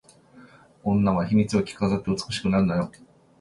女は秘密を着飾って美しくなるのよ